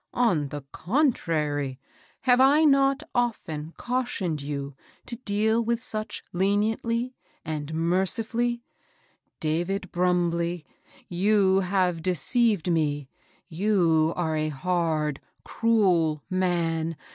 On the contrary, have I not often cautioned you to deal with such leniently and merciftdly ? David BrumUey, you have deceived me ! You are a hard, cruel man